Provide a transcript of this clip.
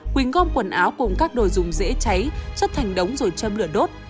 quỳnh gom quần áo cùng các đồ dùng dễ cháy chất thành đống rồi châm lửa đốt